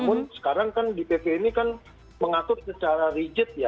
namun sekarang kan di pp ini kan mengatur secara rigid ya